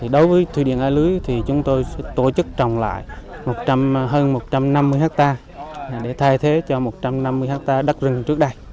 đối với thủy điện a lưới thì chúng tôi tổ chức trồng lại một hơn một trăm năm mươi hectare để thay thế cho một trăm năm mươi hectare đất rừng trước đây